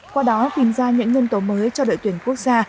qua đó tìm ra những nhân tố mới cho đội tuyển quốc gia